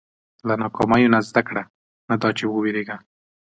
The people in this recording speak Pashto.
• له ناکامیو نه زده کړه، نه دا چې وېرېږه.